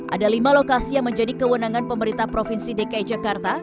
ada lima lokasi yang menjadi kewenangan pemerintah provinsi dki jakarta